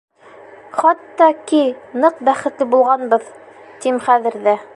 Хатта ки ныҡ бәхетле булғанбыҙ, тим хәҙер ҙә.